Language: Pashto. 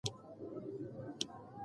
دغه کارت چا تاته درکړ؟